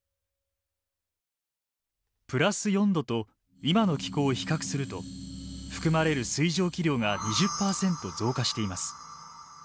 プラス４℃と今の気候を比較すると含まれる水蒸気量が２０％増加しています。